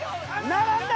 並んだ！